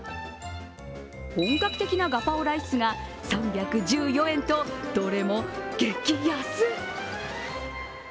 本格的なガパオライスが３１４円と、どれも激安。